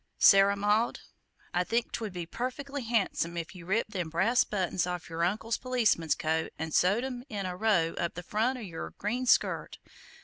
Sarah Maud, I think 'twould be perfeckly han'som if you ripped them brass buttons off yer uncle's policeman's coat an' sewed 'em in a row up the front o' yer green skirt.